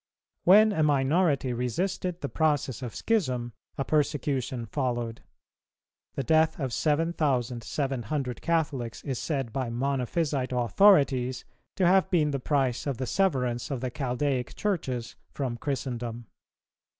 When a minority resisted[294:2] the process of schism, a persecution followed. The death of seven thousand seven hundred Catholics is said by Monophysite authorities to have been the price of the severance of the Chaldaic Churches from Christendom.